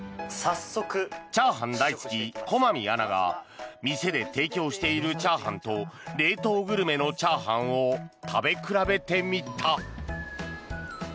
チャーハン大好き駒見アナが店で提供しているチャーハンと冷凍グルメのチャーハンを食べ比べてみた。